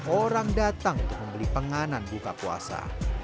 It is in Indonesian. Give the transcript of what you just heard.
orang datang untuk membeli penganan buka puasa